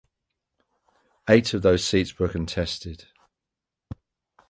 Eight of those seats were contested.